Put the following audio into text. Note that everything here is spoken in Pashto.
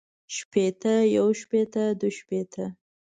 شپېتۀ يو شپېته دوه شپېته